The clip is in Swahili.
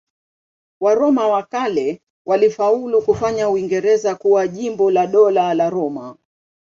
Waroma wa kale walifaulu kufanya Uingereza kuwa jimbo la Dola la Roma.